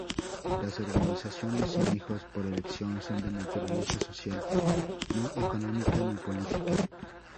Las organizaciones "Sin hijos por elección" son de naturaleza social, no económica ni política.